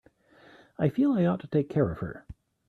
I feel I ought to take care of her.